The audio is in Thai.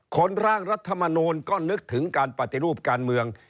ร่างรัฐมนูลก็นึกถึงการปฏิรูปการเมือง